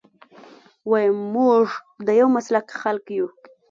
ويم موږ د يو مسلک خلک يو.